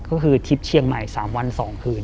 ก็คือทริปเชียงใหม่๓วัน๒คืน